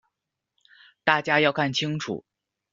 大家要看清楚。